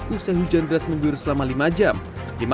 usai hujan gelas mendiru selama lima jam